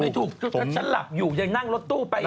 ถูกถ้าฉันหลับอยู่ยังนั่งรถตู้ไป